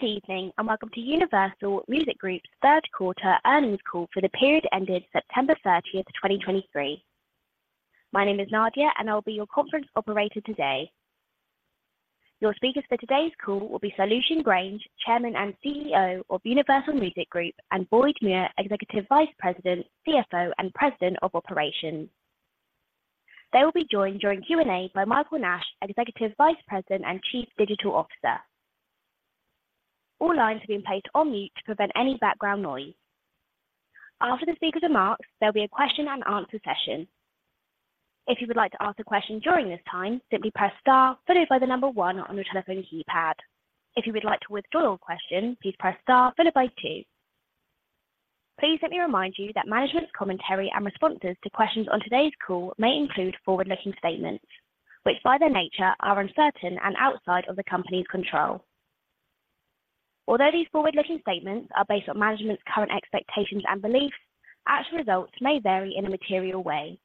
Good evening, and welcome to Universal Music Group's third quarter earnings call for the period ended September 30, 2023. My name is Nadia, and I'll be your conference operator today. Your speakers for today's call will be Lucian Grainge, Chairman and CEO of Universal Music Group, and Boyd Muir, Executive Vice President, CFO, and President of Operations. They will be joined during Q&A by Michael Nash, Executive Vice President and Chief Digital Officer. All lines have been placed on mute to prevent any background noise. After the speaker's remarks, there'll be a question and answer session. If you would like to ask a question during this time, simply press Star followed by the number One on your telephone keypad. If you would like to withdraw your question, please press Star followed by Two. Please let me remind you that management's commentary and responses to questions on today's call may include forward-looking statements, which, by their nature, are uncertain and outside of the company's control. Although these forward-looking statements are based on management's current expectations and beliefs, actual results may vary in a material way.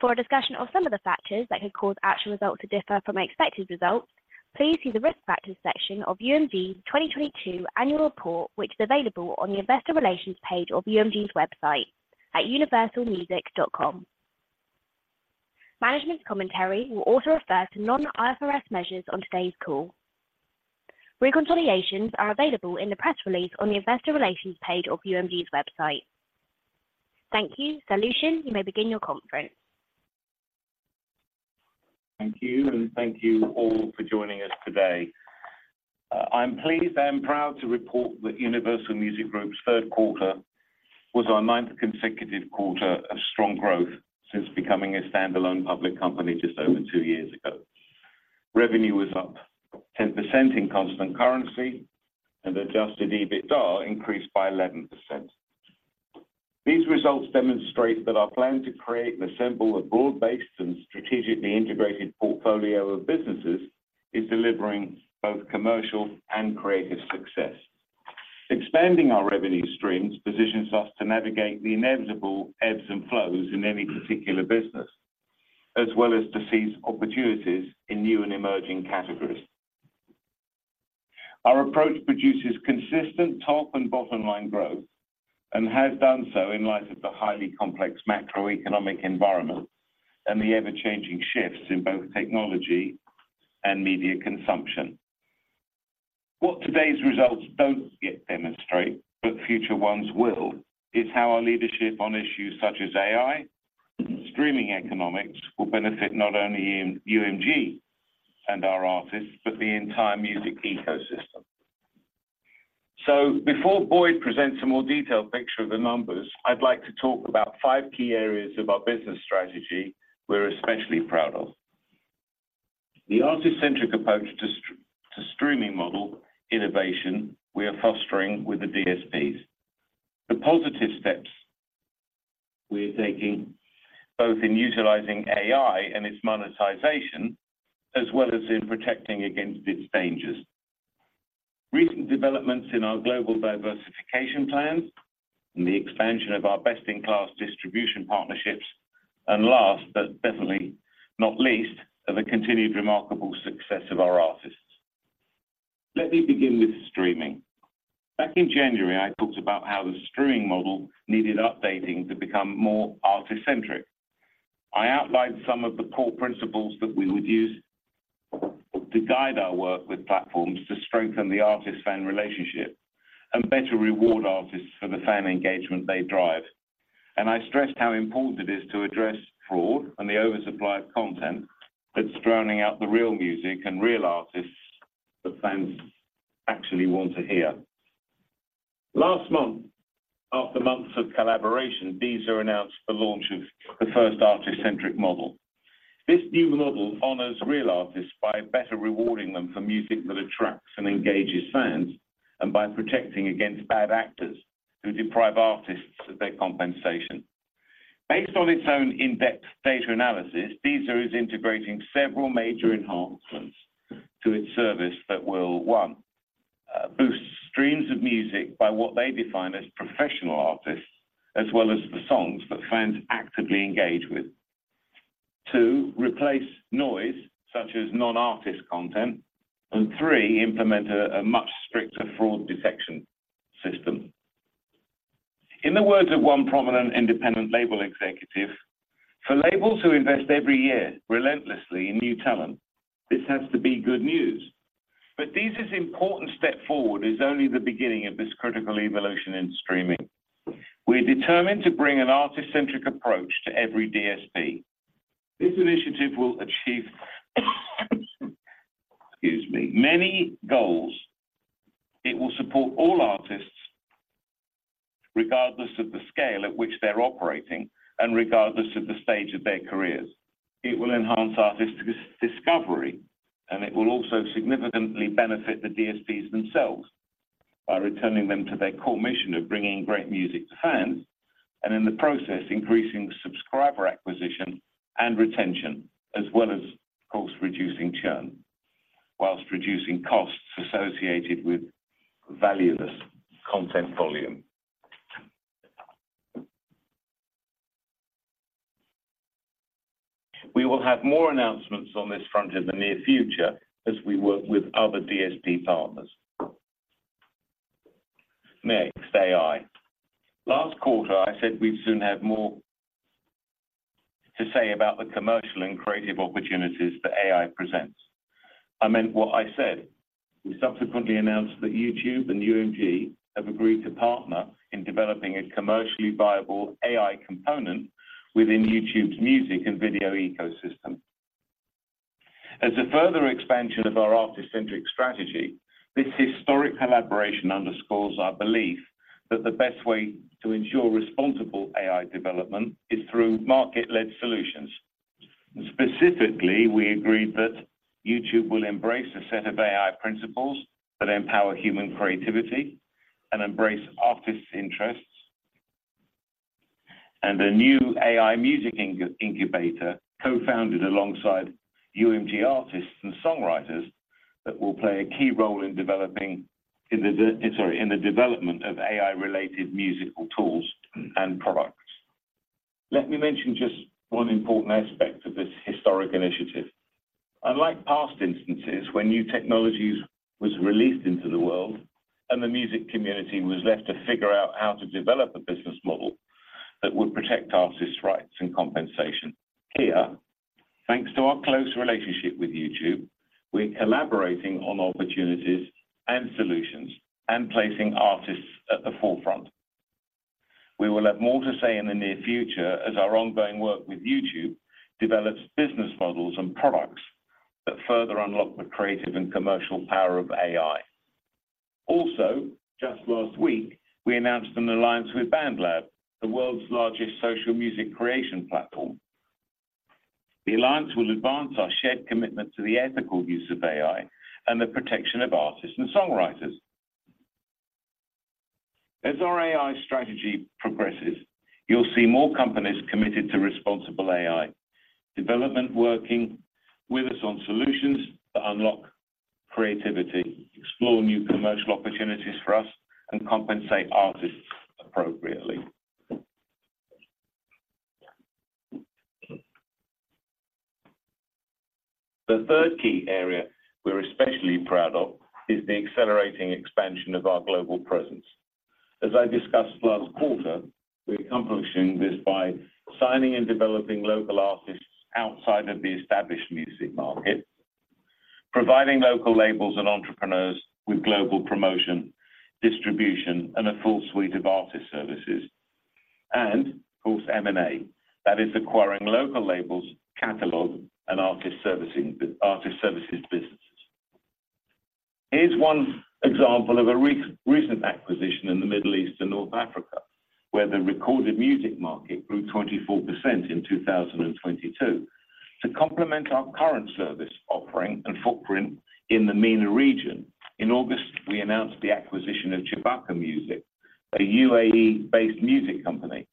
For a discussion of some of the factors that could cause actual results to differ from expected results, please see the Risk Factors section of UMG's 2022 Annual Report, which is available on the investor relations page of UMG's website at universalmusic.com. Management's commentary will also refer to non-IFRS measures on today's call. Reconciliations are available in the press release on the investor relations page of UMG's website. Thank you. Lucian, you may begin your conference. Thank you, and thank you all for joining us today. I'm pleased and proud to report that Universal Music Group's third quarter was our ninth consecutive quarter of strong growth since becoming a standalone public company just over two years ago. Revenue was up 10% in constant currency, and adjusted EBITDA increased by 11%. These results demonstrate that our plan to create and assemble a broad-based and strategically integrated portfolio of businesses is delivering both commercial and creative success. Expanding our revenue streams positions us to navigate the inevitable ebbs and flows in any particular business, as well as to seize opportunities in new and emerging categories. Our approach produces consistent top and bottom line growth and has done so in light of the highly complex macroeconomic environment and the ever-changing shifts in both technology and media consumption. What today's results don't yet demonstrate, but future ones will, is how our leadership on issues such as AI and streaming economics will benefit not only in UMG and our artists, but the entire music ecosystem. So before Boyd presents a more detailed picture of the numbers, I'd like to talk about five key areas of our business strategy we're especially proud of. The artist-centric approach to streaming model innovation we are fostering with the DSPs. The positive steps we're taking, both in utilizing AI and its monetization, as well as in protecting against its dangers. Recent developments in our global diversification plans and the expansion of our best-in-class distribution partnerships, and last, but definitely not least, of the continued remarkable success of our artists. Let me begin with streaming. Back in January, I talked about how the streaming model needed updating to become more artist-centric. I outlined some of the core principles that we would use to guide our work with platforms to strengthen the artist-fan relationship and better reward artists for the fan engagement they drive. I stressed how important it is to address fraud and the oversupply of content that's drowning out the real music and real artists that fans actually want to hear. Last month, after months of collaboration, Deezer announced the launch of the first artist-centric model. This new model honors real artists by better rewarding them for music that attracts and engages fans, and by protecting against bad actors who deprive artists of their compensation. Based on its own in-depth data analysis, Deezer is integrating several major enhancements to its service that will, one, boost streams of music by what they define as professional artists, as well as the songs that fans actively engage with. Two, replace noise, such as non-artist content, and three, implement a much stricter fraud detection system. In the words of one prominent independent label executive: "For labels who invest every year relentlessly in new talent, this has to be good news." But Deezer's important step forward is only the beginning of this critical evolution in streaming. We're determined to bring an artist-centric approach to every DSP. This initiative will achieve, excuse me, many goals. It will support all artists, regardless of the scale at which they're operating and regardless of the stage of their careers. It will enhance artist discovery, and it will also significantly benefit the DSPs themselves by returning them to their core mission of bringing great music to fans, and in the process, increasing subscriber acquisition and retention, as well as, of course, reducing churn, while reducing costs associated with valueless content volume. We'll have more announcements on this front in the near future as we work with other DSP partners. Next, AI. Last quarter, I said we'd soon have more to say about the commercial and creative opportunities that AI presents. I meant what I said. We subsequently announced that YouTube and UMG have agreed to partner in developing a commercially viable AI component within YouTube's music and video ecosystem. As a further expansion of our artist-centric strategy, this historic collaboration underscores our belief that the best way to ensure responsible AI development is through market-led solutions. Specifically, we agreed that YouTube will embrace a set of AI principles that empower human creativity and embrace artists' interests, and a new AI music incubator co-founded alongside UMG artists and songwriters that will play a key role in the development of AI-related musical tools and products. Let me mention just one important aspect of this historic initiative. Unlike past instances, when new technologies were released into the world and the music community was left to figure out how to develop a business model that would protect artists' rights and compensation, here, thanks to our close relationship with YouTube, we're collaborating on opportunities and solutions and placing artists at the forefront. We will have more to say in the near future as our ongoing work with YouTube develops business models and products that further unlock the creative and commercial power of AI. Also, just last week, we announced an alliance with BandLab, the world's largest social music creation platform. The alliance will advance our shared commitment to the ethical use of AI and the protection of artists and songwriters. As our AI strategy progresses, you'll see more companies committed to responsible AI development working with us on solutions that unlock creativity, explore new commercial opportunities for us, and compensate artists appropriately. The third key area we're especially proud of is the accelerating expansion of our global presence. As I discussed last quarter, we're accomplishing this by signing and developing local artists outside of the established music market, providing local labels and entrepreneurs with global promotion, distribution, and a full suite of artist services, and, of course, M&A. That is acquiring local labels, catalog, and artist servicing, artist services businesses. Here's one example of a recent acquisition in the Middle East and North Africa, where the recorded music market grew 24% in 2022. To complement our current service offering and footprint in the MENA region, in August, we announced the acquisition of Chabaka Music, a UAE-based music company.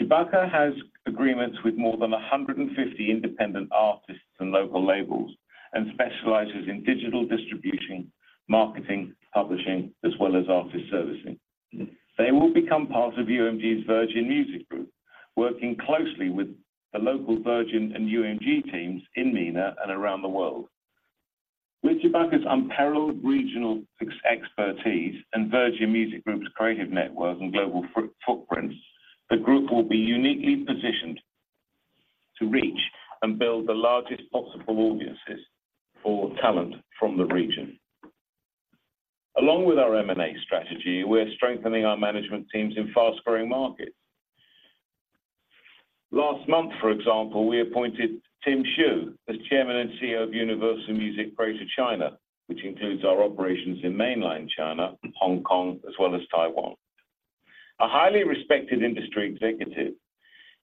Chabaka has agreements with more than 150 independent artists and local labels and specializes in digital distribution, marketing, publishing, as well as artist servicing. They will become part of UMG's Virgin Music Group, working closely with the local Virgin and UMG teams in MENA and around the world. With Chabaka's unparalleled regional expertise and Virgin Music Group's creative network and global footprint, the group will be uniquely positioned to reach and build the largest possible audiences for talent from the region. Along with our M&A strategy, we're strengthening our management teams in fast-growing markets. Last month, for example, we appointed Tim Xu as Chairman and CEO of Universal Music Greater China, which includes our operations in Mainland China and Hong Kong, as well as Taiwan. A highly respected industry executive,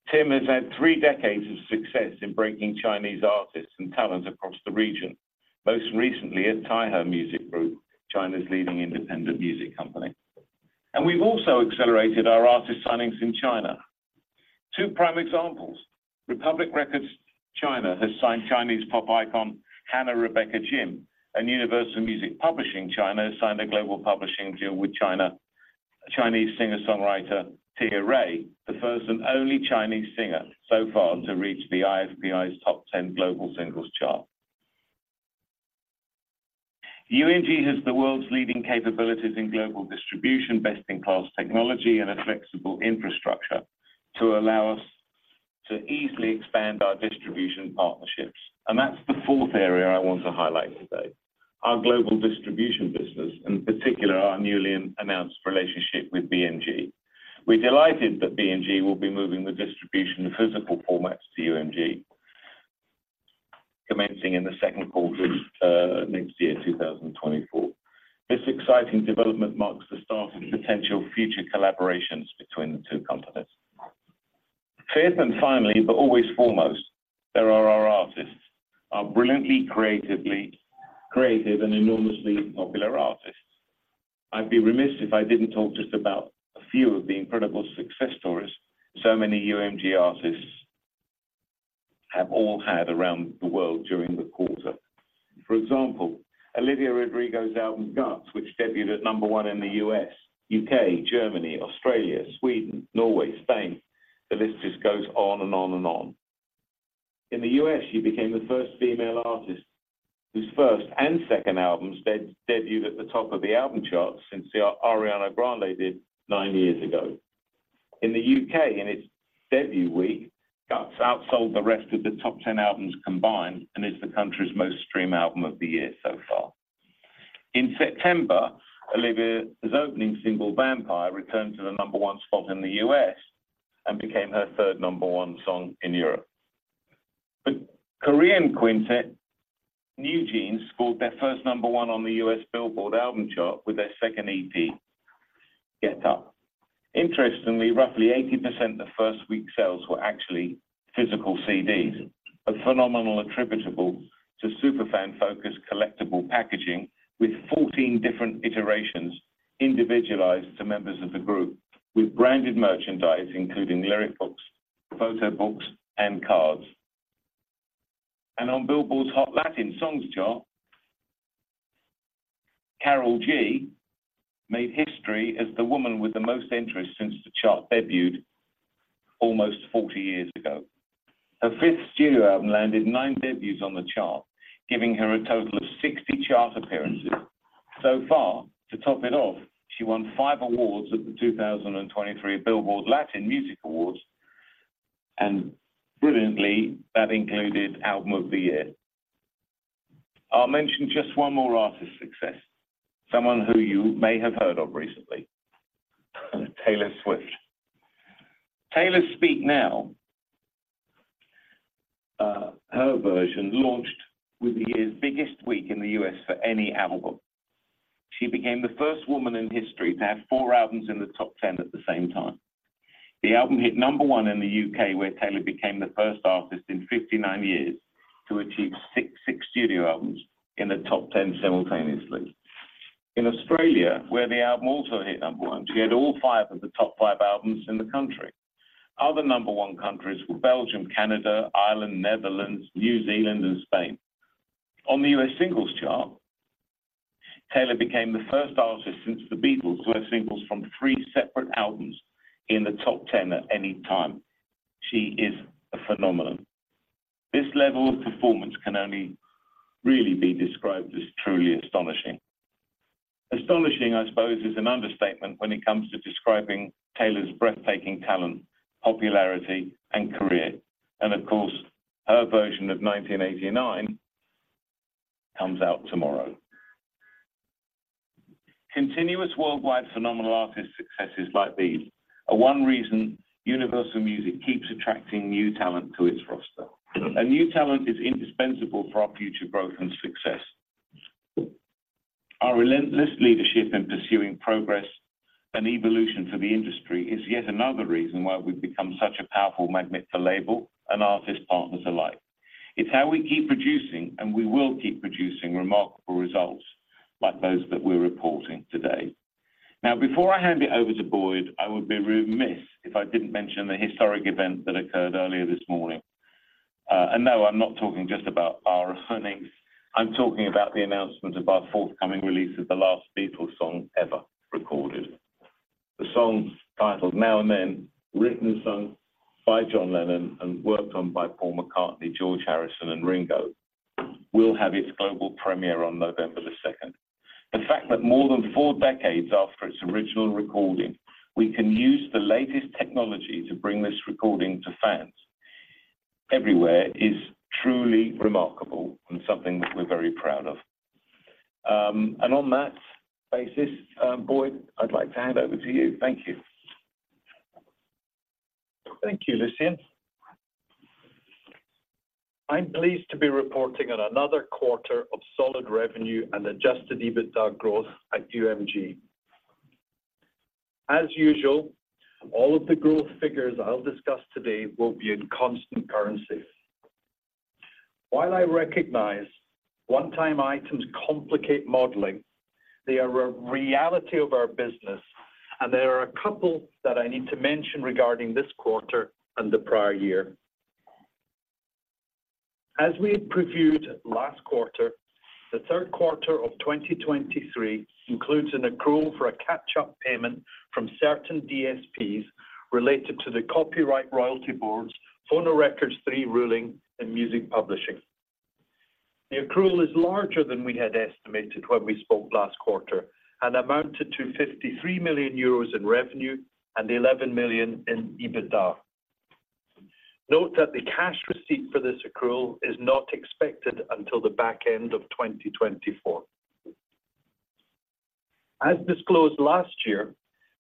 Tim has had three decades of success in breaking Chinese artists and talents across the region, most recently at Taihe Music Group, China's leading independent music company. We've also accelerated our artist signings in China. Two prime examples, Republic Records China has signed Chinese pop icon Hannah Rebecca Jin, and Universal Music Publishing China has signed a global publishing deal with Chinese singer-songwriter Tia Ray, the first and only Chinese singer so far to reach the IFPI's top ten global singles chart. UMG has the world's leading capabilities in global distribution, best-in-class technology, and a flexible infrastructure to allow us to easily expand our distribution partnerships, and that's the fourth area I want to highlight today. Our global distribution business, in particular, our newly announced relationship with BMG. We're delighted that BMG will be moving the distribution of physical formats to UMG, commencing in the second quarter of next year, 2024. This exciting development marks the start of potential future collaborations between the two companies. Fifth and finally, but always foremost, there are our artists, our brilliantly, creatively creative, and enormously popular artists. I'd be remiss if I didn't talk just about a few of the incredible success stories so many UMG artists have all had around the world during the quarter. For example, Olivia Rodrigo's album, GUTS, which debuted at number one in the U.S., U.K., Germany, Australia, Sweden, Norway, Spain. The list just goes on and on, and on. In the U.S., she became the first female artist whose first and second albums debuted at the top of the album chart since Ariana Grande did nine years ago. In the U.K., in its debut week, GUTS outsold the rest of the top 10 albums combined, and is the country's most streamed album of the year so far. In September, Olivia's opening single, Vampire, returned to the number one spot in the U.S. and became her third number one song in Europe. The Korean quintet, NewJeans, scored their first number one on the U.S. Billboard album chart with their second EP, Get Up. Interestingly, roughly 80% of the first-week sales were actually physical CDs. A phenomenal attributable to super fan-focused collectible packaging, with 14 different iterations individualized to members of the group, with branded merchandise, including lyric books, photo books, and cards. On Billboard's Hot Latin Songs chart, Karol G made history as the woman with the most entries since the chart debuted almost 40 years ago. Her fifth studio album landed nine debuts on the chart, giving her a total of 60 chart appearances so far. To top it off, she won five awards at the 2023 Billboard Latin Music Awards, and brilliantly, that included Album of the Year. I'll mention just one more artist success, someone who you may have heard of recently, Taylor Swift. Taylor's Speak Now, her version launched with the year's biggest week in the U.S. for any album. She became the first woman in history to have four albums in the top 10 at the same time. The album hit number one in the U.K., where Taylor became the first artist in 59 years to achieve six, six studio albums in the top 10 simultaneously. In Australia, where the album also hit number one, she had all five of the top five albums in the country. Other number one countries were Belgium, Canada, Ireland, Netherlands, New Zealand, and Spain. On the U.S. singles chart, Taylor became the first artist since The Beatles, to have singles from three separate albums in the top 10 at any time. She is a phenomenon. This level of performance can only really be described as truly astonishing. Astonishing, I suppose, is an understatement when it comes to describing Taylor's breathtaking talent, popularity, and career, and of course, her version of 1989 comes out tomorrow. Continuous worldwide phenomenal artist successes like these, are one reason Universal Music keeps attracting new talent to its roster. New talent is indispensable for our future growth and success. Our relentless leadership in pursuing progress and evolution for the industry, is yet another reason why we've become such a powerful magnet for label and artist partners alike. It's how we keep producing, and we will keep producing remarkable results like those that we're reporting today. Now, before I hand it over to Boyd, I would be remiss if I didn't mention the historic event that occurred earlier this morning. No, I'm not talking just about our earnings. I'm talking about the announcement of our forthcoming release of the last Beatles song ever recorded. The song, titled Now and Then, written and sung by John Lennon and worked on by Paul McCartney, George Harrison, and Ringo, will have its global premiere on November the second. The fact that more than four decades after its original recording, we can use the latest technology to bring this recording to fans everywhere, is truly remarkable and something that we're very proud of. And on that basis, Boyd, I'd like to hand over to you. Thank you. Thank you, Lucian. I'm pleased to be reporting on another quarter of solid revenue and adjusted EBITDA growth at UMG. As usual, all of the growth figures I'll discuss today will be in constant currencies. While I recognize one-time items complicate modeling, they are a reality of our business, and there are a couple that I need to mention regarding this quarter and the prior year. As we had previewed last quarter, the third quarter of 2023 includes an accrual for a catch-up payment from certain DSPs related to the Copyright Royalty Board, Phonorecords III ruling, and music publishing. The accrual is larger than we had estimated when we spoke last quarter, and amounted to 53 million euros in revenue and EUR 11 million in EBITDA. Note that the cash receipt for this accrual is not expected until the back end of 2024. As disclosed last year,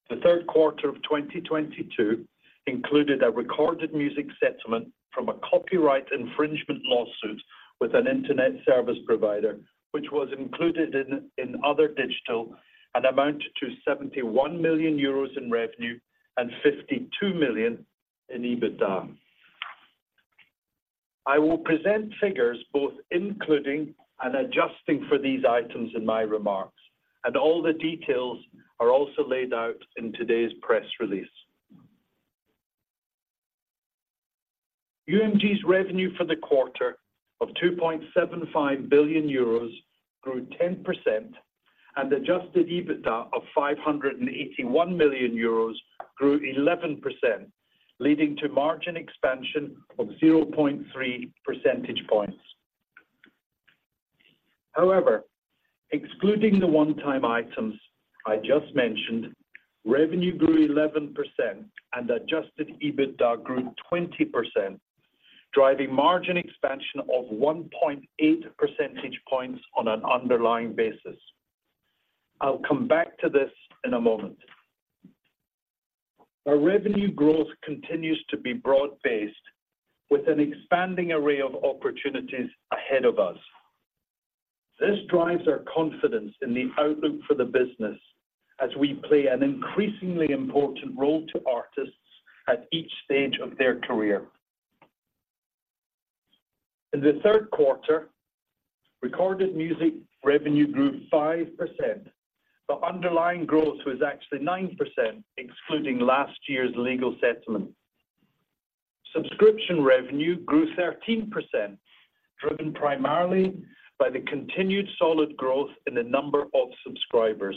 the third quarter of 2022 included a recorded music settlement from a copyright infringement lawsuit with an internet service provider, which was included in other digital, and amounted to 71 million euros in revenue and 52 million in EBITDA. I will present figures, both including and adjusting for these items in my remarks, and all the details are also laid out in today's press release. UMG's revenue for the quarter of 2.75 billion euros grew 10%, and adjusted EBITDA of 581 million euros grew 11%, leading to margin expansion of 0.3 percentage points. However, excluding the one-time items I just mentioned, revenue grew 11% and adjusted EBITDA grew 20%, driving margin expansion of 1.8 percentage points on an underlying basis. I'll come back to this in a moment. Our revenue growth continues to be broad-based, with an expanding array of opportunities ahead of us. This drives our confidence in the outlook for the business as we play an increasingly important role to artists at each stage of their career. In the third quarter, recorded music revenue grew 5%, but underlying growth was actually 9%, excluding last year's legal settlement. Subscription revenue grew 13%, driven primarily by the continued solid growth in the number of subscribers.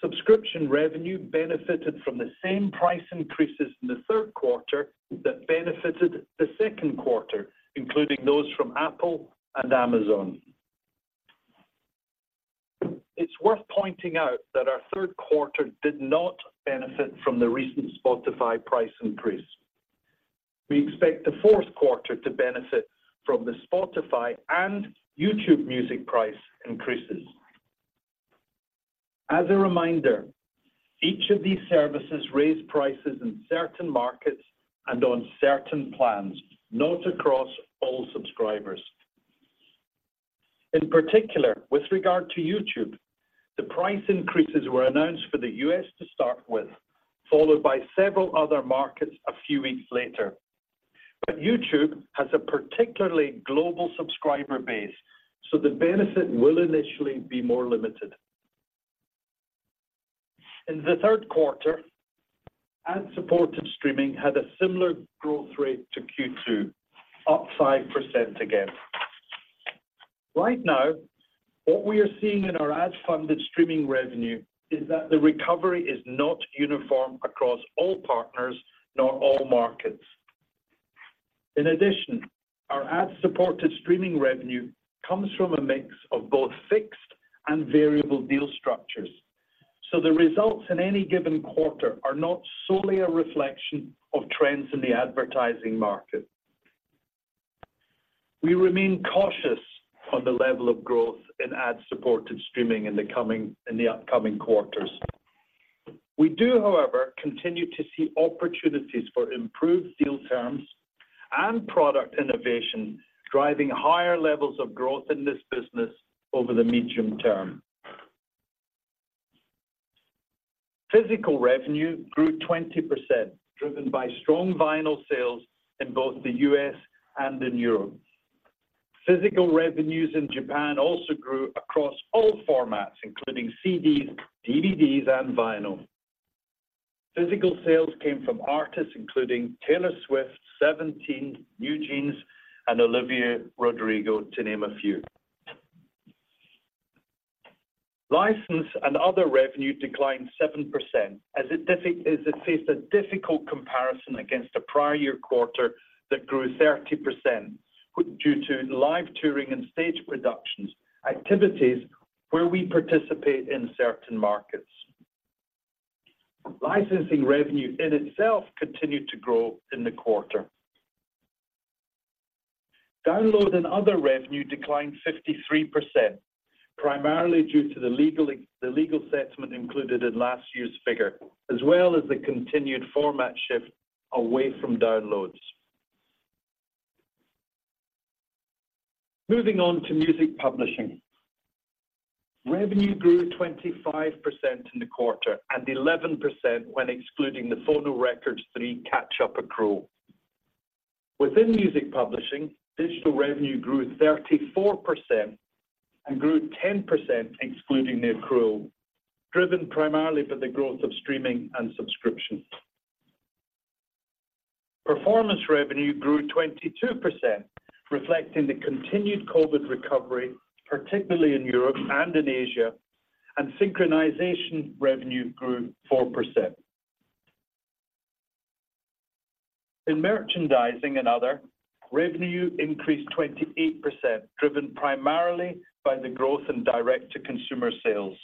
Subscription revenue benefited from the same price increases in the third quarter that benefited the second quarter, including those from Apple and Amazon. It's worth pointing out that our third quarter did not benefit from the recent Spotify price increase. We expect the fourth quarter to benefit from the Spotify and YouTube Music price increases. As a reminder, each of these services raised prices in certain markets and on certain plans, not across all subscribers. In particular, with regard to YouTube, the price increases were announced for the U.S. to start with, followed by several other markets a few weeks later. But YouTube has a particularly global subscriber base, so the benefit will initially be more limited. In the third quarter, ad-supported streaming had a similar growth rate to Q2, up 5% again. Right now, what we are seeing in our ad-funded streaming revenue is that the recovery is not uniform across all partners, nor all markets. In addition, our ad-supported streaming revenue comes from a mix of both fixed and variable deal structures, so the results in any given quarter are not solely a reflection of trends in the advertising market. We remain cautious on the level of growth in ad-supported streaming in the upcoming quarters. We do, however, continue to see opportunities for improved deal terms and product innovation, driving higher levels of growth in this business over the medium term. Physical revenue grew 20%, driven by strong vinyl sales in both the U.S. and in Europe. Physical revenues in Japan also grew across all formats, including CDs, DVDs, and vinyl. Physical sales came from artists including Taylor Swift, Seventeen, NewJeans, and Olivia Rodrigo, to name a few. License and other revenue declined 7%, as it faced a difficult comparison against a prior year quarter that grew 30%, due to live touring and stage productions, activities where we participate in certain markets. Licensing revenue in itself continued to grow in the quarter. Download and other revenue declined 53%, primarily due to the legal settlement included in last year's figure, as well as the continued format shift away from downloads. Moving on to music publishing. Revenue grew 25% in the quarter, and 11% when excluding the Phonorecords III catch-up accrual. Within music publishing, digital revenue grew 34% and grew 10%, excluding the accrual, driven primarily by the growth of streaming and subscription. Performance revenue grew 22%, reflecting the continued COVID recovery, particularly in Europe and in Asia, and synchronization revenue grew 4%. In merchandising and other, revenue increased 28%, driven primarily by the growth in direct-to-consumer sales.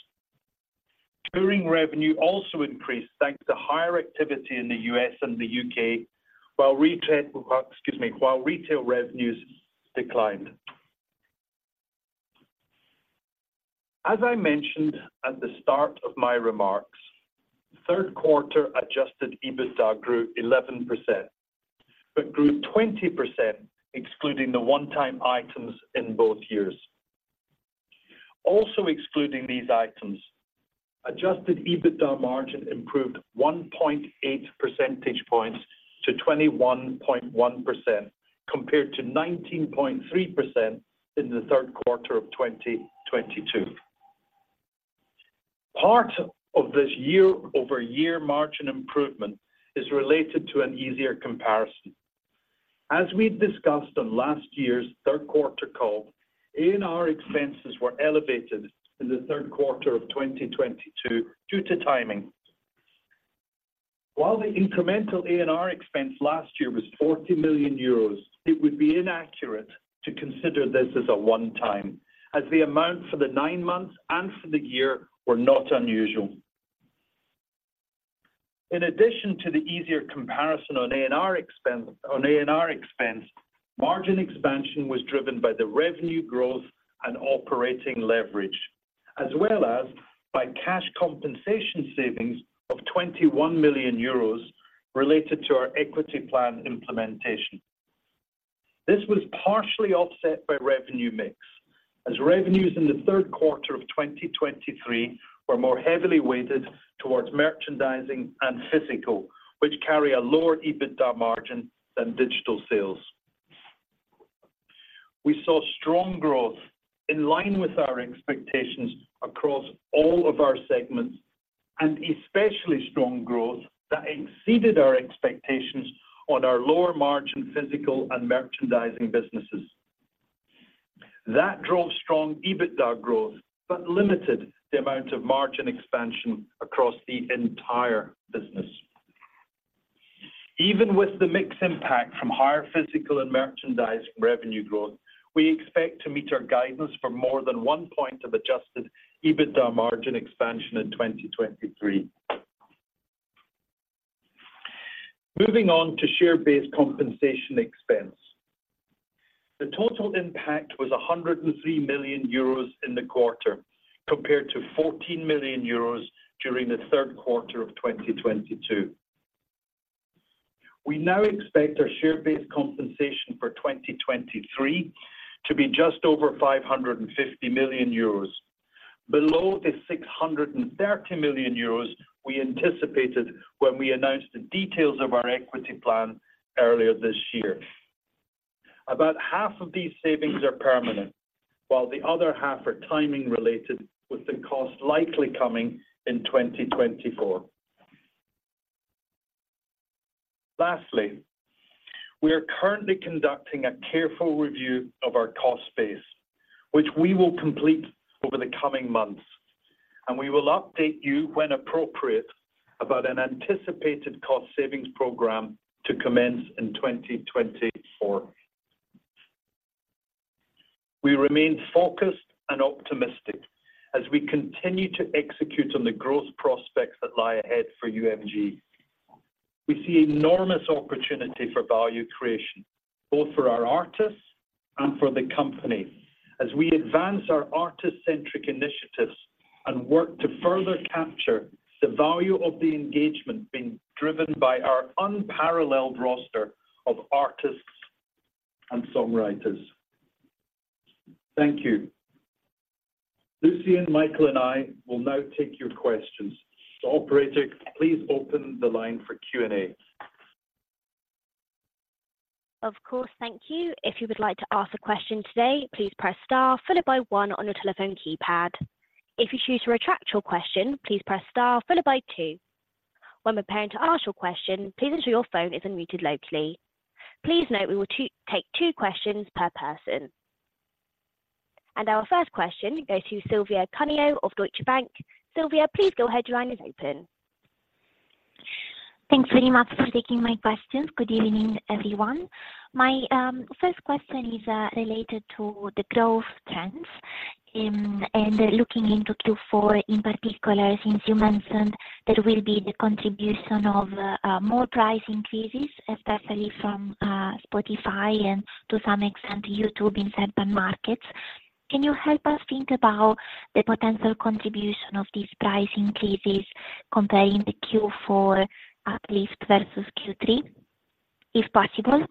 Touring revenue also increased, thanks to higher activity in the U.S. and the U.K., while retail, excuse me, while retail revenues declined. As I mentioned at the start of my remarks, third quarter Adjusted EBITDA grew 11%, but grew 20%, excluding the one-time items in both years. Also excluding these items, Adjusted EBITDA margin improved 1.8 percentage points to 21.1%, compared to 19.3% in the third quarter of 2022. Part of this year-over-year margin improvement is related to an easier comparison. As we discussed on last year's third quarter call, A&R expenses were elevated in the third quarter of 2022 due to timing. While the incremental A&R expense last year was 40 million euros, it would be inaccurate to consider this as a one-time, as the amount for the nine months and for the year were not unusual. In addition to the easier comparison on A&R expense, on A&R expense, margin expansion was driven by the revenue growth and operating leverage, as well as by cash compensation savings of 21 million euros related to our equity plan implementation. This was partially offset by revenue mix, as revenues in the third quarter of 2023 were more heavily weighted towards merchandising and physical, which carry a lower EBITDA margin than digital sales. We saw strong growth in line with our expectations across all of our segments, and especially strong growth that exceeded our expectations on our lower margin physical and merchandising businesses. That drove strong EBITDA growth, but limited the amount of margin expansion across the entire business. Even with the mix impact from higher physical and merchandising revenue growth, we expect to meet our guidance for more than one point of adjusted EBITDA margin expansion in 2023. Moving on to share-based compensation expense. The total impact was 103 million euros in the quarter, compared to 14 million euros during the third quarter of 2022. We now expect our share-based compensation for 2023 to be just over 550 million euros, below the 630 million euros we anticipated when we announced the details of our equity plan earlier this year. About half of these savings are permanent, while the other half are timing-related, with the cost likely coming in 2024. Lastly, we are currently conducting a careful review of our cost base, which we will complete over the coming months, and we will update you, when appropriate, about an anticipated cost savings program to commence in 2024. We remain focused and optimistic as we continue to execute on the growth prospects that lie ahead for UMG. We see enormous opportunity for value creation, both for our artists and for the company, as we advance our Artist-Centric initiatives and work to further capture the value of the engagement being driven by our unparalleled roster of artists and songwriters. Thank you. Lucian, Michael, and I will now take your questions. So operator, please open the line for Q&A. Of course. Thank you. If you would like to ask a question today, please press star followed by one on your telephone keypad. If you choose to retract your question, please press star followed by two. When preparing to ask your question, please ensure your phone is unmuted locally. Please note we will take two questions per person. And our first question goes to Silvia Cuneo of Deutsche Bank. Silvia, please go ahead. Your line is open. Thanks very much for taking my questions. Good evening, everyone. My first question is related to the growth trends, and looking into Q4 in particular, since you mentioned there will be the contribution of more price increases, especially from Spotify and to some extent, YouTube in certain markets. Can you help us think about the potential contribution of these price increases comparing the Q4, at least, versus Q3, if possible?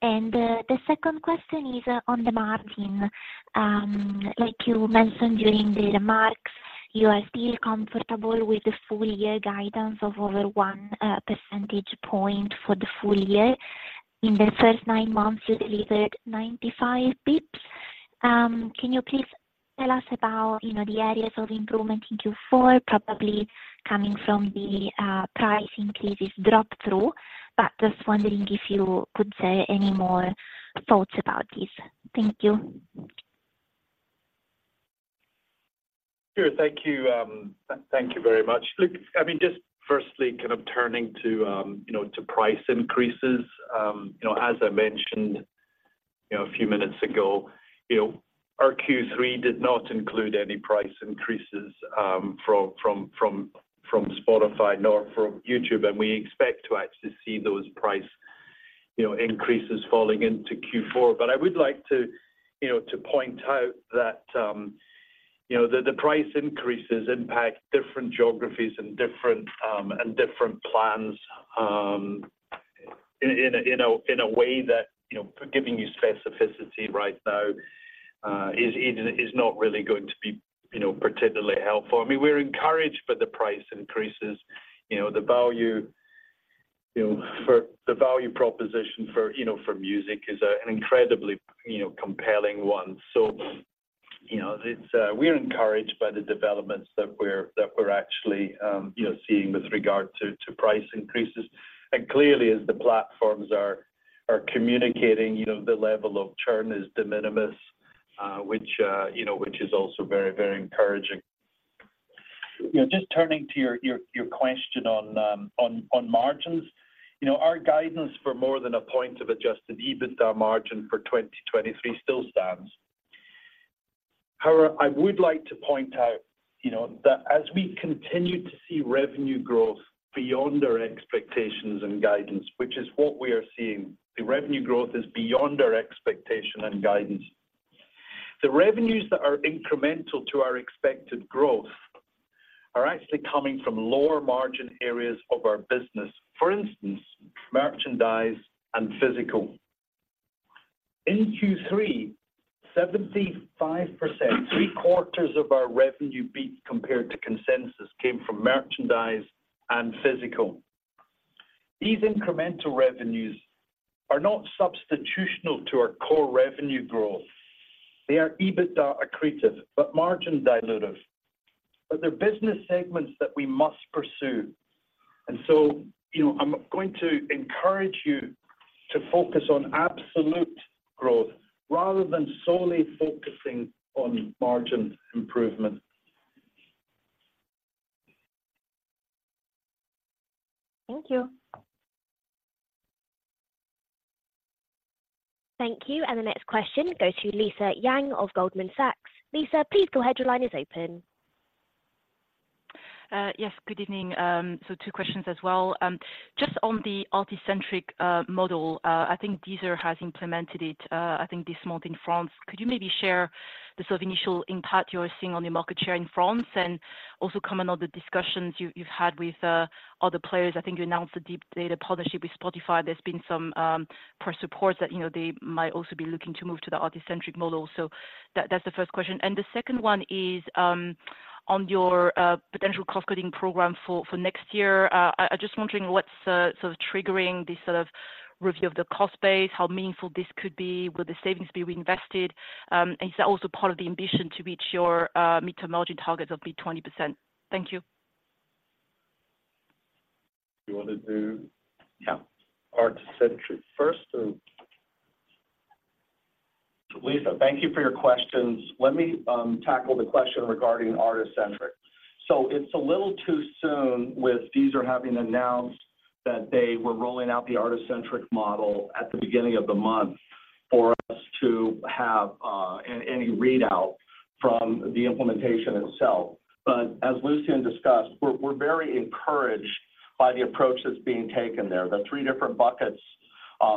The second question is on the margin. Like you mentioned during the remarks, you are still comfortable with the full year guidance of over 1 percentage point for the full year. In the first nine months, you delivered 95 basis points. Can you please tell us about, you know, the areas of improvement in Q4, probably coming from the price increases drop-through, but just wondering if you could say any more thoughts about this? Thank you. Sure. Thank you. Thank you very much. Look, I mean, just firstly, kind of turning to, you know, to price increases. You know, as I mentioned, you know, a few minutes ago, you know, our Q3 did not include any price increases from Spotify nor from YouTube, and we expect to actually see those price, you know, increases falling into Q4. But I would like to, you know, to point out that, you know, the price increases impact different geographies and different plans in a way that, you know, giving you specificity right now is not really going to be, you know, particularly helpful. I mean, we're encouraged by the price increases. You know, the value-... You know, for the value proposition for, you know, for music is an incredibly, you know, compelling one. So, you know, it's, we're encouraged by the developments that we're actually, you know, seeing with regard to price increases. And clearly, as the platforms are communicating, you know, the level of churn is de minimis, which, you know, which is also very, very encouraging. You know, just turning to your question on margins. You know, our guidance for more than a point of Adjusted EBITDA margin for 2023 still stands. However, I would like to point out, you know, that as we continue to see revenue growth beyond our expectations and guidance, which is what we are seeing, the revenue growth is beyond our expectation and guidance. The revenues that are incremental to our expected growth are actually coming from lower margin areas of our business, for instance, merchandise and physical. In Q3, 75%, three quarters of our revenue beat compared to consensus, came from merchandise and physical. These incremental revenues are not substitutional to our core revenue growth. They are EBITDA accretive, but margin dilutive, but they're business segments that we must pursue. And so, you know, I'm going to encourage you to focus on absolute growth rather than solely focusing on margin improvement. Thank you. Thank you. The next question goes to Lisa Yang of Goldman Sachs. Lisa, please go ahead. Your line is open. Yes, good evening. So two questions as well. Just on the artist-centric model, I think Deezer has implemented it, I think this month in France. Could you maybe share the sort of initial impact you are seeing on the market share in France? And also comment on the discussions you've had with other players. I think you announced a deep data partnership with Spotify. There's been some press reports that, you know, they might also be looking to move to the artist-centric model. So that's the first question. And the second one is on your potential cost-cutting program for next year. I just wondering what's the sort of triggering this sort of review of the cost base? How meaningful this could be? Will the savings be reinvested? Is that also part of the ambition to reach your midterm margin targets of being 20%? Thank you. You want to do- Yeah. Artist-Centric first, and... Lisa, thank you for your questions. Let me tackle the question regarding artist-centric. So it's a little too soon with Deezer having announced that they were rolling out the artist-centric model at the beginning of the month, for us to have any readout from the implementation itself. But as Lucian discussed, we're very encouraged by the approach that's being taken there. The three different buckets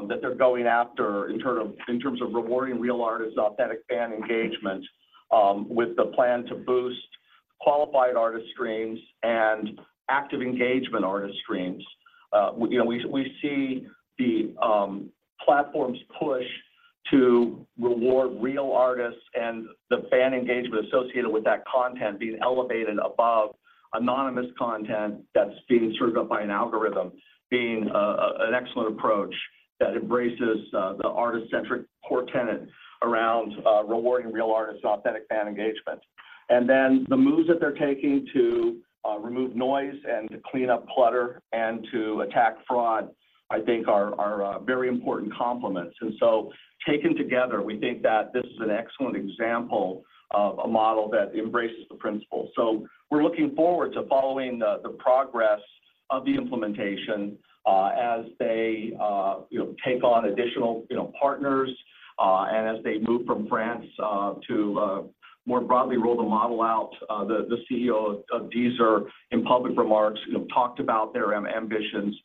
that they're going after in terms of rewarding real artists, authentic fan engagement, with the plan to boost qualified artist streams and active engagement artist streams. You know, we see the platform's push to reward real artists and the fan engagement associated with that content being elevated above anonymous content that's being served up by an algorithm, being an excellent approach that embraces the artist-centric core tenet around rewarding real artists, authentic fan engagement. And then the moves that they're taking to remove noise, and to clean up clutter, and to attack fraud, I think are very important complements. And so taken together, we think that this is an excellent example of a model that embraces the principle. So we're looking forward to following the progress of the implementation as they, you know, take on additional, you know, partners, and as they move from France to more broadly roll the model out. The CEO of Deezer, in public remarks, you know, talked about their ambitions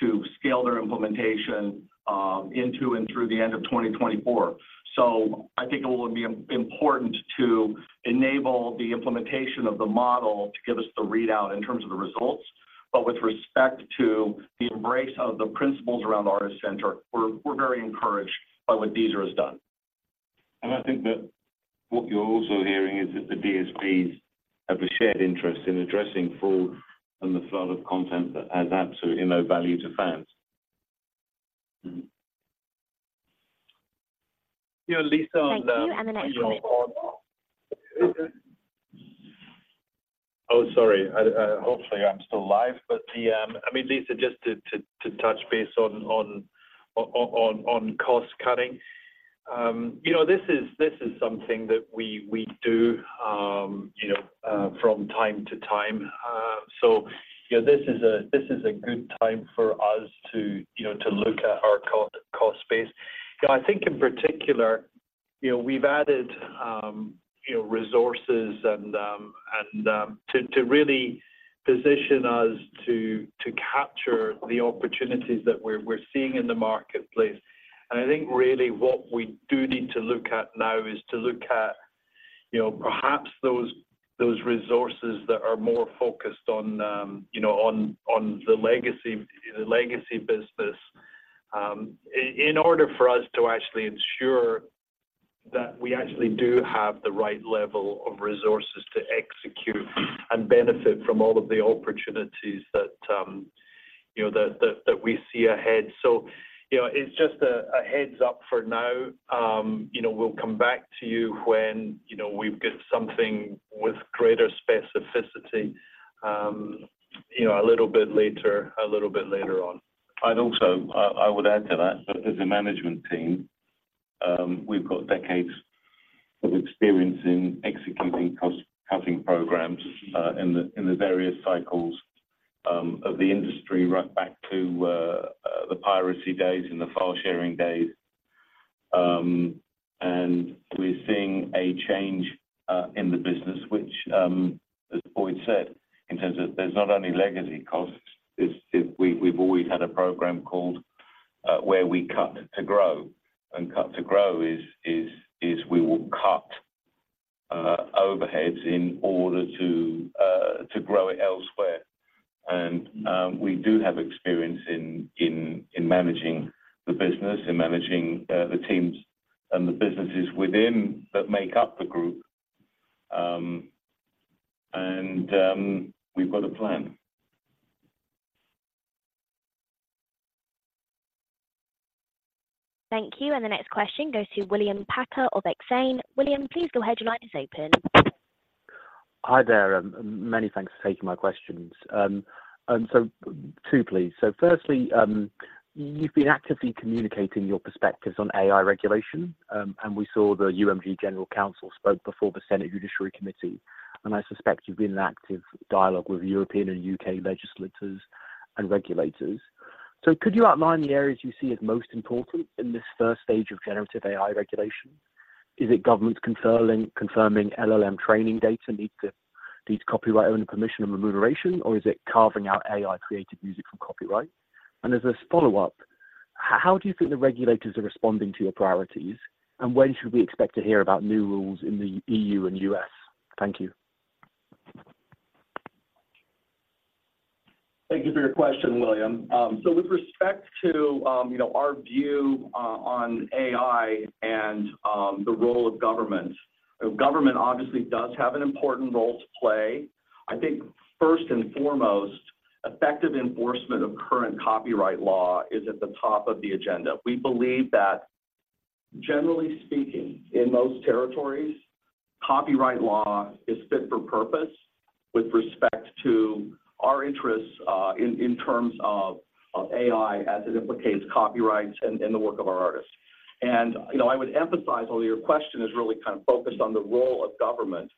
to scale their implementation into and through the end of 2024. So I think it will be important to enable the implementation of the model to give us the readout in terms of the results. But with respect to the embrace of the principles around artist-centric, we're very encouraged by what Deezer has done. I think that what you're also hearing is that the DSPs have a shared interest in addressing fraud and the flood of content that adds absolutely no value to fans. Mm-hmm. Yeah, Lisa, on the- Thank you, and the next one is... Oh, sorry, I... Hopefully, I'm still live. But, I mean, Lisa, just to touch base on cost cutting. You know, this is something that we do, you know, from time to time. So, you know, this is a good time for us to, you know, to look at our cost base. You know, I think in particular, you know, we've added, you know, resources and, and to really position us to capture the opportunities that we're seeing in the marketplace. I think really what we do need to look at now is to look at, you know, perhaps those resources that are more focused on, you know, on the legacy business, in order for us to actually ensure that- that we actually do have the right level of resources to execute and benefit from all of the opportunities that you know we see ahead. So, you know, it's just a heads up for now. You know, we'll come back to you when you know we've got something with greater specificity you know a little bit later, a little bit later on. I'd also, I would add to that, that as a management team, we've got decades of experience in executing cost-cutting programs, in the various cycles of the industry, right back to the piracy days and the file-sharing days. And we're seeing a change in the business, which, as Boyd said, in terms of there's not only legacy costs. It's we've always had a program called Where We Cut to Grow. And Cut to Grow is we will cut overheads in order to to grow it elsewhere. And we do have experience in managing the business and managing the teams and the businesses within that make up the group. And we've got a plan. Thank you. And the next question goes to William Packer of Exane. William, please go ahead. Your line is open. Hi there, and many thanks for taking my questions. So, two, please. So firstly, you've been actively communicating your perspectives on AI regulation, and we saw the UMG general counsel spoke before the Senate Judiciary Committee, and I suspect you've been in active dialogue with European and UK legislators and regulators. So could you outline the areas you see as most important in this first stage of generative AI regulation? Is it governments confirming LLM training data needs copyright owner permission and remuneration, or is it carving out AI-created music from copyright? And as a follow-up, how do you think the regulators are responding to your priorities, and when should we expect to hear about new rules in the E.U. and U.S.? Thank you. Thank you for your question, William. So with respect to, you know, our view, on AI and, the role of government, government obviously does have an important role to play. I think first and foremost, effective enforcement of current copyright law is at the top of the agenda. We believe that generally speaking, in most territories, copyright law is fit for purpose with respect to our interests, in terms of AI as it implicates copyrights and the work of our artists. And, you know, I would emphasize, although your question is really kind of focused on the role of government,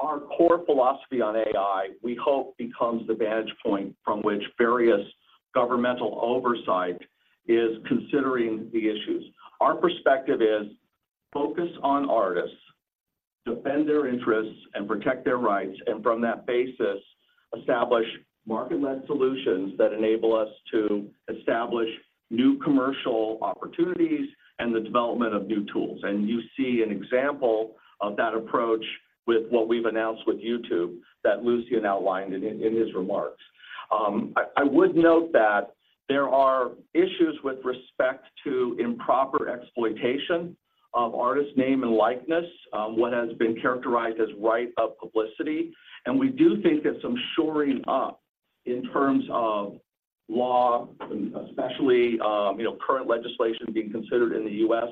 our core philosophy on AI, we hope, becomes the vantage point from which various governmental oversight is considering the issues. Our perspective is focus on artists, defend their interests, and protect their rights, and from that basis, establish market-led solutions that enable us to establish new commercial opportunities and the development of new tools. You see an example of that approach with what we've announced with YouTube, that Lucian outlined in his remarks. I would note that there are issues with respect to improper exploitation of artist name and likeness, what has been characterized as right of publicity. We do think that some shoring up in terms of law, and especially, you know, current legislation being considered in the U.S.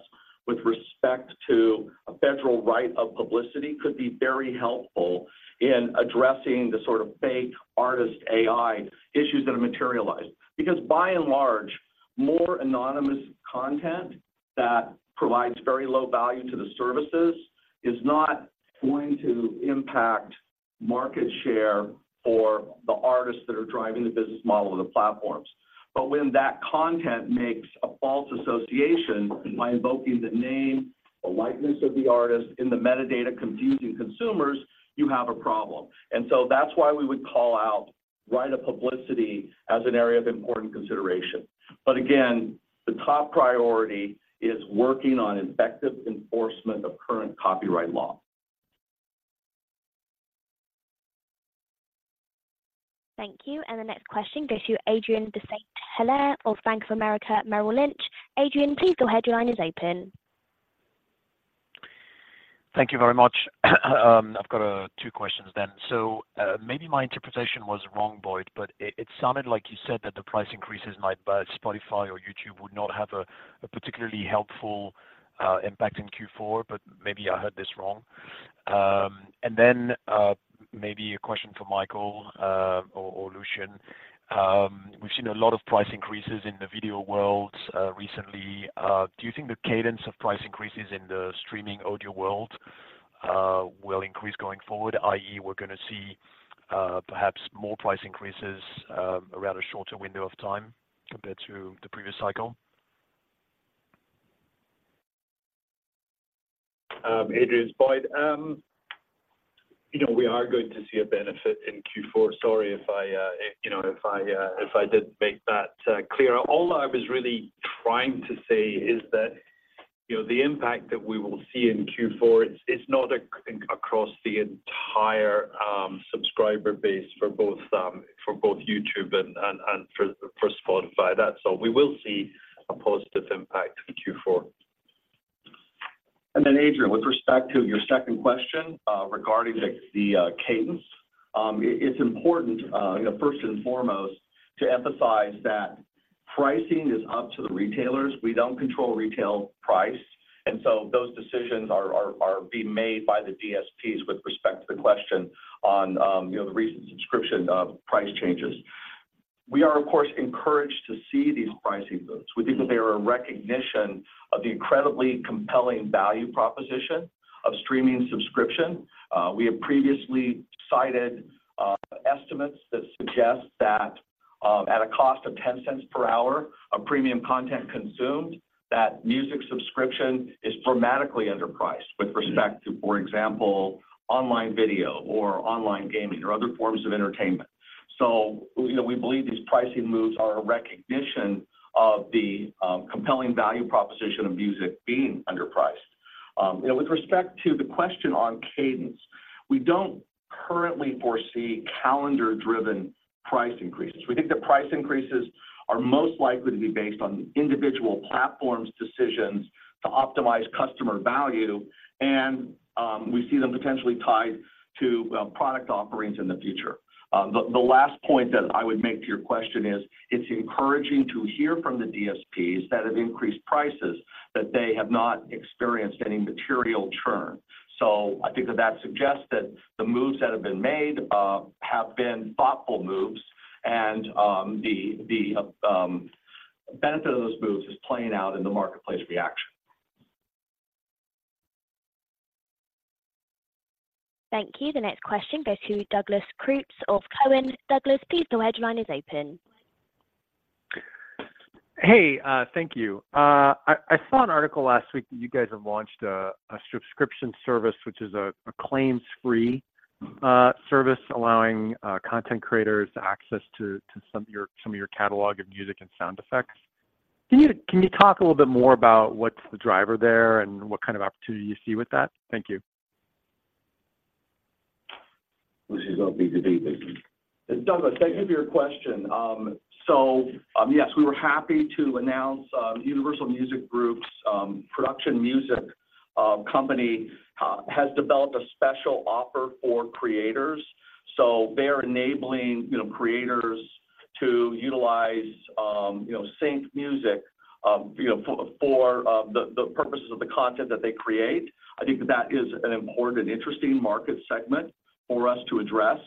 with respect to a federal right of publicity, could be very helpful in addressing the sort of fake artist AI issues that have materialized. Because by and large, more anonymous content that provides very low value to the services is not going to impact market share for the artists that are driving the business model of the platforms. But when that content makes a false association by invoking the name or likeness of the artist in the metadata, confusing consumers, you have a problem. And so that's why we would call out Right of Publicity as an area of important consideration. But again, the top priority is working on effective enforcement of current copyright law. Thank you. The next question goes to Adrien de Saint Hilaire of Bank of America Merrill Lynch. Adrien, please go ahead. Your line is open. Thank you very much. I've got two questions then. So, maybe my interpretation was wrong, Boyd, but it sounded like you said that the price increases made by Spotify or YouTube would not have a particularly helpful impact in Q4, but maybe I heard this wrong. And then, maybe a question for Michael, or Lucian. We've seen a lot of price increases in the video world recently. Do you think the cadence of price increases in the streaming audio world will increase going forward, i.e., we're gonna see perhaps more price increases around a shorter window of time compared to the previous cycle? Adrien, it's Boyd. You know, we are going to see a benefit in Q4. Sorry if I, you know, if I didn't make that clear. All I was really trying to say is that, you know, the impact that we will see in Q4, it's not across the entire subscriber base for both YouTube and Spotify. That. So we will see a positive impact in Q4. Then, Adrien, with respect to your second question, regarding the cadence, it's important, you know, first and foremost to emphasize that pricing is up to the retailers. We don't control retail price, and so those decisions are being made by the DSPs with respect to the question on the recent subscription price changes. We are, of course, encouraged to see these pricing moves. We think that they are a recognition of the incredibly compelling value proposition of streaming subscription. We have previously cited estimates that suggest that, at a cost of $0.10 per hour of premium content consumed, that music subscription is dramatically underpriced with respect to, for example, online video or online gaming or other forms of entertainment. So, you know, we believe these pricing moves are a recognition of the compelling value proposition of music being underpriced. You know, with respect to the question on cadence, we don't currently foresee calendar-driven price increases. We think the price increases are most likely to be based on individual platforms' decisions to optimize customer value, and we see them potentially tied to product offerings in the future. The last point that I would make to your question is, it's encouraging to hear from the DSPs that have increased prices, that they have not experienced any material churn. So I think that that suggests that the moves that have been made have been thoughtful moves and the benefit of those moves is playing out in the marketplace reaction. Thank you. The next question goes to Douglas Creutz of Cowen. Douglas, please, your line is open. Hey, thank you. I saw an article last week that you guys have launched a subscription service, which is a claims-free service, allowing content creators access to some of your catalog of music and sound effects. Can you talk a little bit more about what's the driver there and what kind of opportunity you see with that? Thank you. This is our B2B business. Douglas, thank you for your question. So, yes, we were happy to announce, Universal Music Group's production music company has developed a special offer for creators. So they're enabling, you know, creators to utilize, you know, sync music, you know, for the purposes of the content that they create. I think that is an important and interesting market segment for us to address,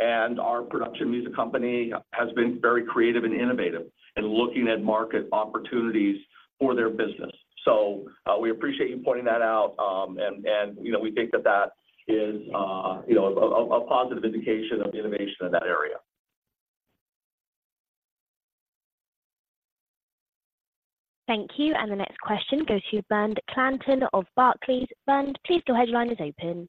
and our production music company has been very creative and innovative in looking at market opportunities for their business. So, we appreciate you pointing that out. And, you know, we think that that is, you know, a positive indication of innovation in that area. Thank you. The next question goes to Julien Roch of Barclays. Bernd, please, your headline is open. Hello, this is Julien Roch of Barclays. I would probably mix the code with Bernd. Sorry about that.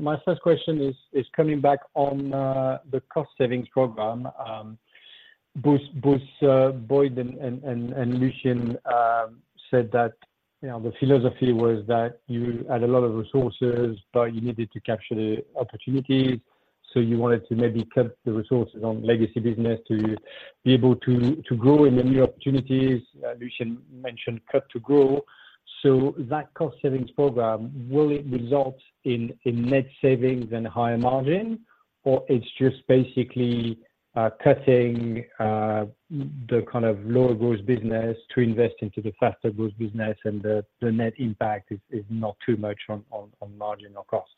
My first question is coming back on the cost savings program. Boyd and Lucian said that, you know, the philosophy was that you had a lot of resources, but you needed to capture the opportunities, so you wanted to maybe cut the resources on legacy business to be able to grow in the new opportunities. Lucian mentioned cut to grow. So that cost savings program, will it result in net savings and higher margin, or it's just basically cutting the kind of lower growth business to invest into the faster growth business and the net impact is not too much on margin or cost?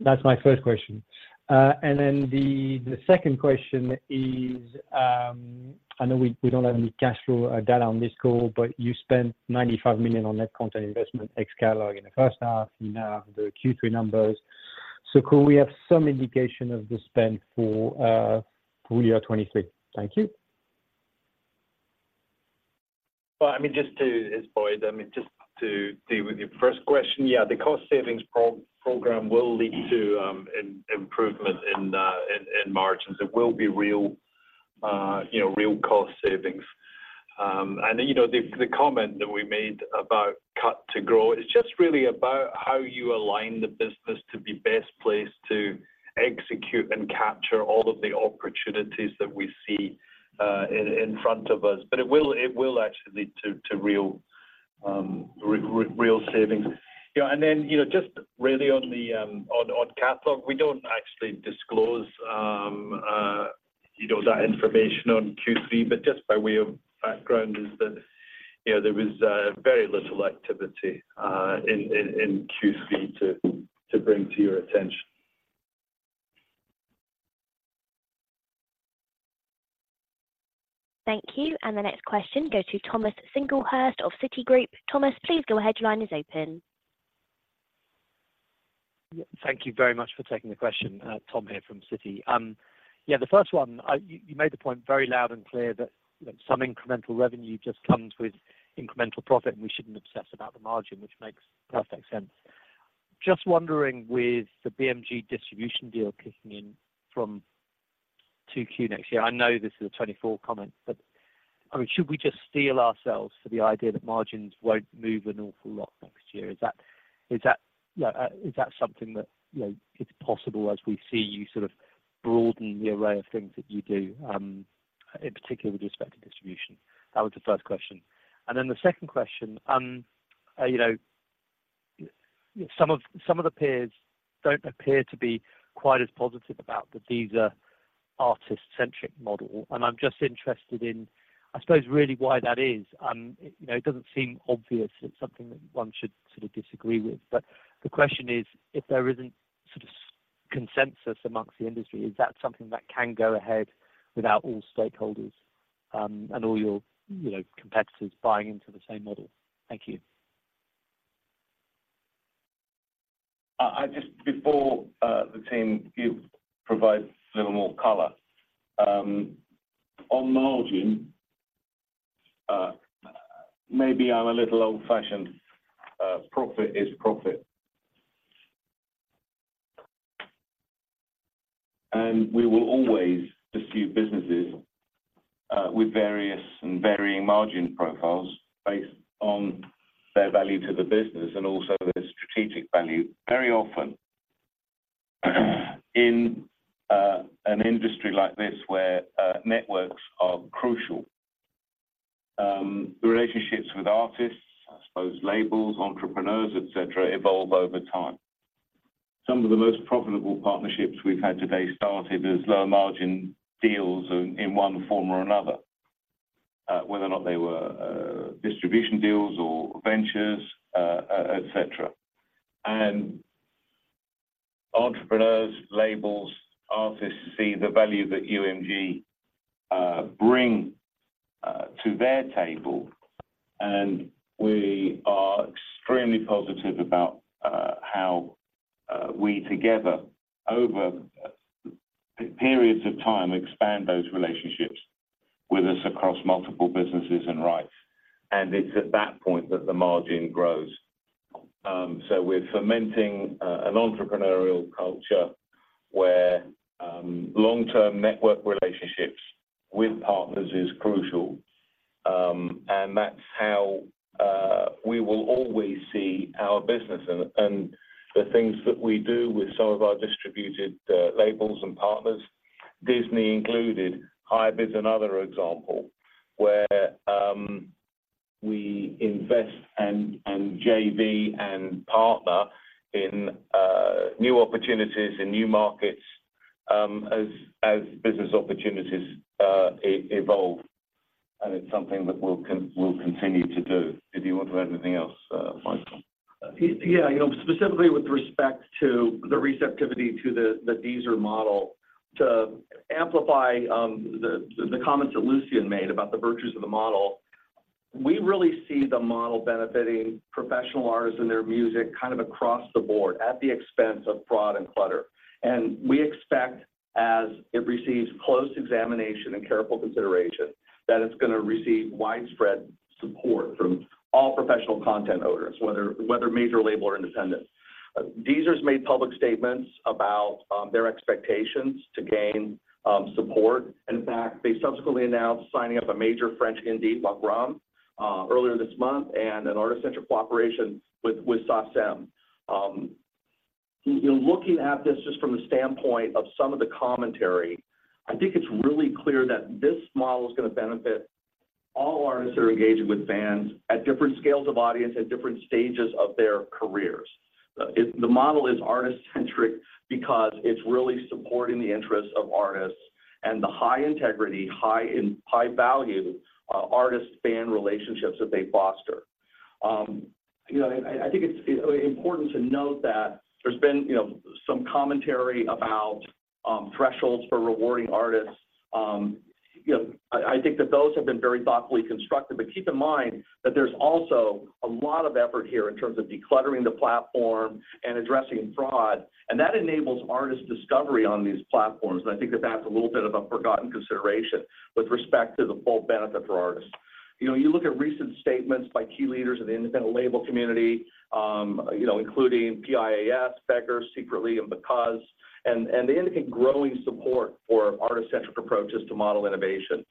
That's my first question. And then the second question is, I know we don't have any cash flow data on this call, but you spent 95 million on net content investment ex catalog in the first half, and now the Q3 numbers. So could we have some indication of the spend for full year 2023? Thank you. Well, I mean, just to... It's Boyd. I mean, just to deal with your first question, yeah, the cost savings program will lead to an improvement in margins. It will be real, you know, real cost savings. And, you know, the comment that we made about cut to grow, it's just really about how you align the business to be best placed to execute and capture all of the opportunities that we see in front of us. But it will actually lead to real savings. You know, and then, you know, just really on the catalog, we don't actually disclose, you know, that information on Q3, but just by way of background is that, you know, there was very little activity in Q3 to bring to your attention. Thank you. The next question goes to Tom Singlehurst of Citigroup. Tom, please, go ahead, your line is open. Thank you very much for taking the question. Tom here from Citi. Yeah, the first one, you made the point very loud and clear that, you know, some incremental revenue just comes with incremental profit, and we shouldn't obsess about the margin, which makes perfect sense. Just wondering, with the BMG distribution deal kicking in from Q2 next year. I know this is a 2024 comment, but, I mean, should we just steel ourselves for the idea that margins won't move an awful lot next year? Is that, is that something that, you know, it's possible as we see you sort of broaden the array of things that you do, in particular with respect to distribution? That was the first question. And then the second question, you know, some of, some of the peers don't appear to be quite as positive about the Deezer artist-centric model, and I'm just interested in, I suppose, really why that is. You know, it doesn't seem obvious it's something that one should sort of disagree with. But the question is, if there isn't sort of consensus amongst the industry, is that something that can go ahead without all stakeholders, and all your, you know, competitors buying into the same model? Thank you. I just before the team, you provide a little more color. On margin, maybe I'm a little old-fashioned, profit is profit. And we will always pursue businesses with various and varying margin profiles based on their value to the business and also their strategic value. Very often, in an industry like this, where networks are crucial, the relationships with artists, I suppose labels, entrepreneurs, et cetera, evolve over time. Some of the most profitable partnerships we've had today started as low-margin deals in one form or another, whether or not they were distribution deals or ventures, et cetera. And entrepreneurs, labels, artists see the value that UMG bring to their table, and we are extremely positive about how we together, over periods of time, expand those relationships with us across multiple businesses and rights. And it's at that point that the margin grows. So we're fermenting an entrepreneurial culture where long-term network relationships with partners is crucial. And that's how we will always see our business and the things that we do with some of our distributed labels and partners, Disney included. HYBE is another example, where we invest and JV and partner in new opportunities, in new markets, as business opportunities evolve, and it's something that we'll continue to do. Did you want to add anything else, Michael? Yeah, you know, specifically with respect to the receptivity to the Deezer model, to amplify the comments that Lucian made about the virtues of the model, we really see the model benefiting professional artists and their music kind of across the board at the expense of fraud and clutter. We expect, as it receives close examination and careful consideration, that it's gonna receive widespread support from all professional content owners, whether major label or independent. Deezer's made public statements about their expectations to gain support. In fact, they subsequently announced signing up a major French indie, Wagram, earlier this month, and an artist-centric cooperation with SACEM. You know, looking at this just from the standpoint of some of the commentary, I think it's really clear that this model is gonna benefit all artists who are engaging with fans at different scales of audience, at different stages of their careers. The model is artist-centric because it's really supporting the interests of artists and the high integrity, high-value artist-fan relationships that they foster. You know, I think it's important to note that there's been, you know, some commentary about thresholds for rewarding artists. You know, I think that those have been very thoughtfully constructed, but keep in mind that there's also a lot of effort here in terms of decluttering the platform and addressing fraud, and that enables artist discovery on these platforms. I think that that's a little bit of a forgotten consideration with respect to the full benefit for artists. You know, you look at recent statements by key leaders of the independent label community, you know, including PIAS, Beggars, Secretly, and Because, and they indicate growing support for artist-centric approaches to model innovation.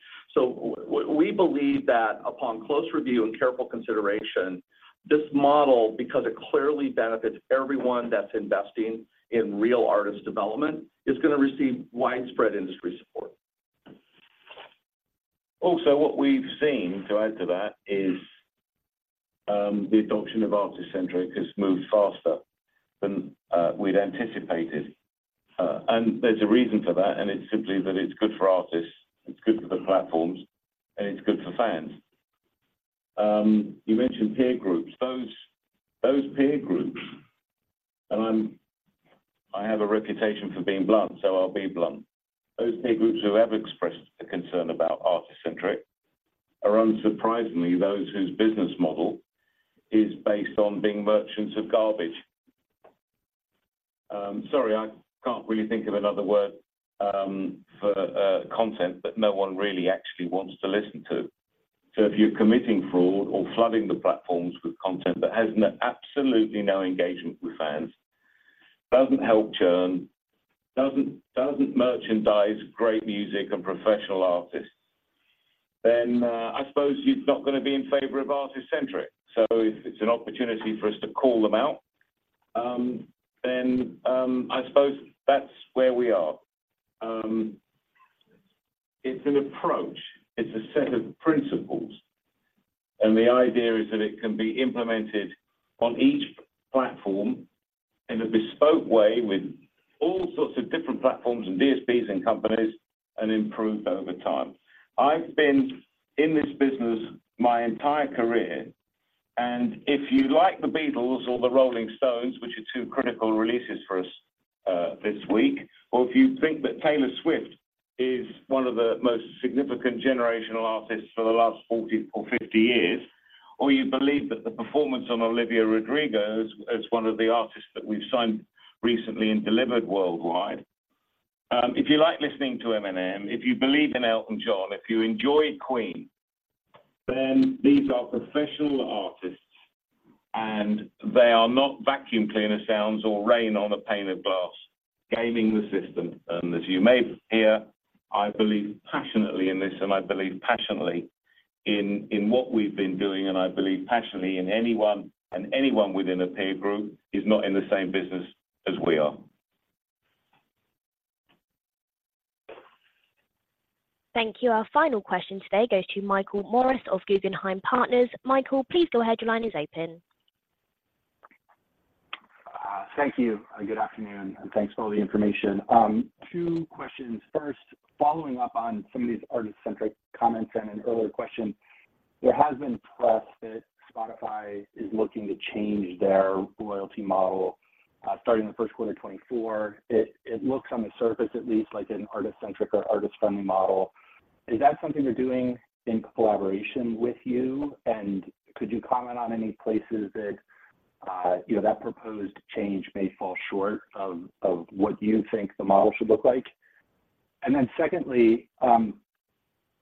We believe that upon close review and careful consideration, this model, because it clearly benefits everyone that's investing in real artist development, is gonna receive widespread industry support. Also, what we've seen, to add to that, is the adoption of Artist-Centric has moved faster than we'd anticipated. And there's a reason for that, and it's simply that it's good for artists, it's good for the platforms, and it's good for fans. You mentioned peer groups. Those peer groups, and I'm I have a reputation for being blunt, so I'll be blunt. Those peer groups who have expressed a concern about Artist-Centric are, unsurprisingly, those whose business model is based on being merchants of garbage. Sorry, I can't really think of another word for content that no one really actually wants to listen to. So if you're committing fraud or flooding the platforms with content that has no, absolutely no engagement with fans, doesn't help churn, doesn't merchandise great music and professional artists, then I suppose you're not gonna be in favor of artist-centric. So if it's an opportunity for us to call them out, then I suppose that's where we are. It's an approach, it's a set of principles, and the idea is that it can be implemented on each platform in a bespoke way, with all sorts of different platforms and DSPs and companies, and improved over time. I've been in this business my entire career, and if you like the Beatles or the Rolling Stones, which are 2 critical releases for us this week, or if you think that Taylor Swift is one of the most significant generational artists for the last 40 or 50 years, or you believe that the performance on Olivia Rodrigo as one of the artists that we've signed recently and delivered worldwide, if you like listening to Eminem, if you believe in Elton John, if you enjoy Queen, then these are professional artists, and they are not vacuum cleaner sounds or rain on a pane of glass, gaming the system. As you may hear, I believe passionately in this, and I believe passionately in what we've been doing, and I believe passionately in anyone, and anyone within a peer group is not in the same business as we are. Thank you. Our final question today goes to Michael Morris of Guggenheim Partners. Michael, please go ahead. Your line is open. Thank you, and good afternoon, and thanks for all the information. Two questions. First, following up on some of these artist-centric comments and an earlier question, there has been press that Spotify is looking to change their royalty model, starting in the first quarter of 2024. It looks on the surface, at least, like an artist-centric or artist-friendly model. Is that something they're doing in collaboration with you? And could you comment on any places that, you know, that proposed change may fall short of what you think the model should look like? And then second,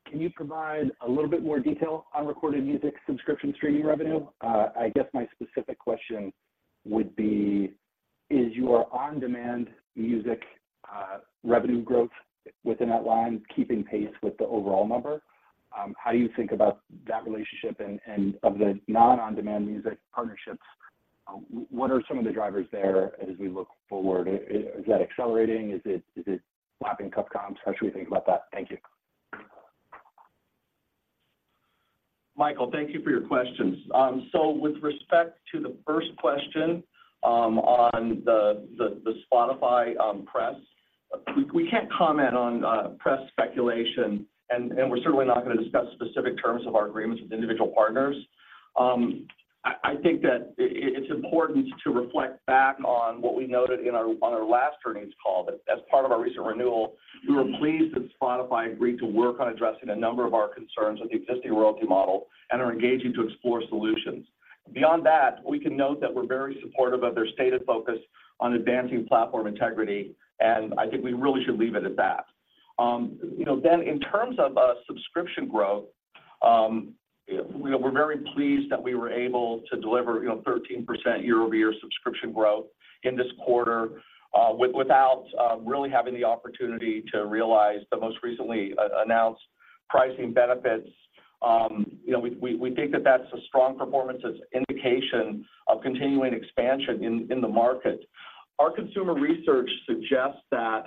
can you provide a little bit more detail on recorded music subscription streaming revenue? I guess my specific question would be: Is your on-demand music revenue growth within that line keeping pace with the overall number? How do you think about that relationship? And of the non-on-demand music partnerships, what are some of the drivers there as we look forward? Is that accelerating? Is it lapping tough comps? How should we think about that? Thank you. Michael, thank you for your questions. So with respect to the first question, on the Spotify press, we can't comment on press speculation, and we're certainly not going to discuss specific terms of our agreements with individual partners. I think that it's important to reflect back on what we noted on our last earnings call, that as part of our recent renewal, we were pleased that Spotify agreed to work on addressing a number of our concerns with the existing royalty model and are engaging to explore solutions. Beyond that, we can note that we're very supportive of their stated focus on advancing platform integrity, and I think we really should leave it at that. You know, then in terms of subscription growth, you know, we're very pleased that we were able to deliver, you know, 13% year-over-year subscription growth in this quarter, without really having the opportunity to realize the most recently announced pricing benefits. You know, we think that that's a strong performance as indication of continuing expansion in the market. Our consumer research suggests that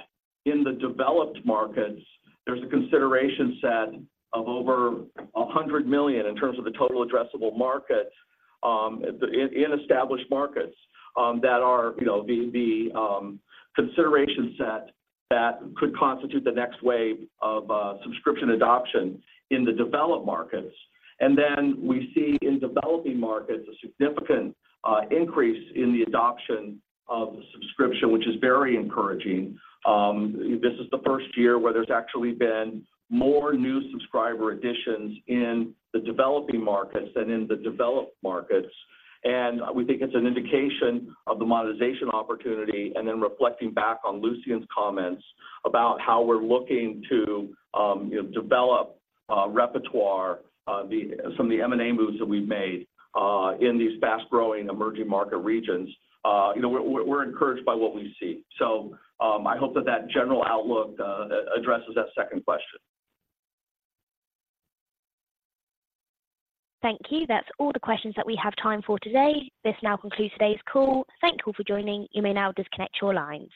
in the developed markets, there's a consideration set of over 100 million in terms of the total addressable market, in established markets, that are, you know, the consideration set that could constitute the next wave of subscription adoption in the developed markets. And then we see in developing markets, a significant increase in the adoption of the subscription, which is very encouraging. This is the first year where there's actually been more new subscriber additions in the developing markets than in the developed markets, and we think it's an indication of the monetization opportunity. And then reflecting back on Lucian's comments about how we're looking to, you know, develop repertoire, some of the M&A moves that we've made in these fast-growing emerging market regions. You know, we're encouraged by what we see. So, I hope that that general outlook addresses that second question. Thank you. That's all the questions that we have time for today. This now concludes today's call. Thank you all for joining. You may now disconnect your lines.